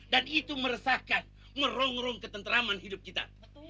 dan itu meresahkan merongrong ketenteraman hidup kita